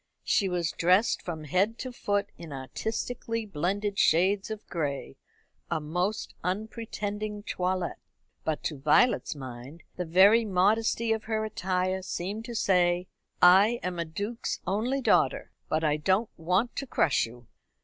She was dressed from head to foot in artistically blended shades of gray a most unpretending toilet. But to Violet's mind the very modesty of her attire seemed to say: "I am a duke's only daughter, but I don't want to crush you."